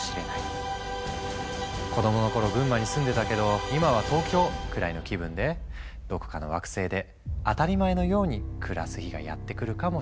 「子供の頃群馬に住んでたけど今は東京」くらいの気分でどこかの惑星で当たり前のように暮らす日がやって来るかもしれないね。